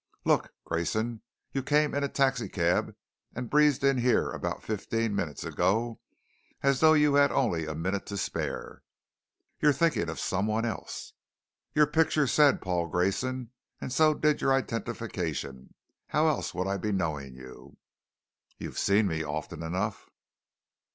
"Look, Grayson, you came in a taxicab and breezed in here about fifteen minutes ago as though you had only a minute to spare." "You're thinking of someone else." "Your picture said Paul Grayson, and so did your identification. How else would I be knowing you?" "You've seen me often enough."